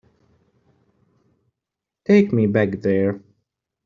Take me back there.